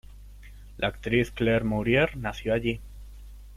La actriz Claire Maurier nació allí.